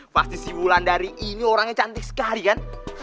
pasti si ulan dari ini orangnya cantik sekali kan